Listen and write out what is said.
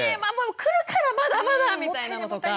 来るからまだまだみたいなのとか。